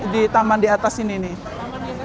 di taman di atas sini nih